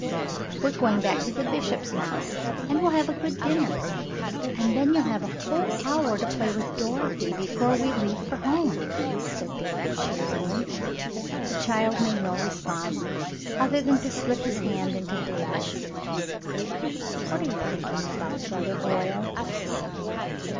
"We're going back to the bishop's now, and we'll have a good dinner, and then you'll have a whole hour to play with Dorothy before we leave for home," said David, cheeringly. The child made no response other than to slip his hand into David's. "What are you thinking about, brother Hoyle